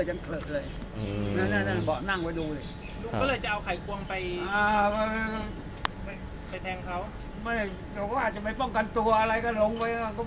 ไม่ป้องกันตัว